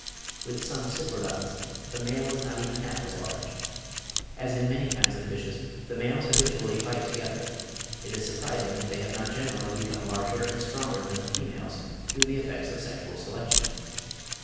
With some Cyprinodonts the male is not even half as large. As in many kinds of fishes the males habitually fight together, it is surprising that they have not generally become larger and stronger than the females through the effects of sexual selection.